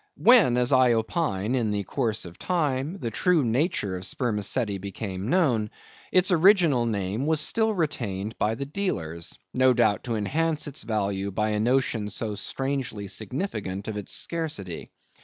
When, as I opine, in the course of time, the true nature of spermaceti became known, its original name was still retained by the dealers; no doubt to enhance its value by a notion so strangely significant of its scarcity.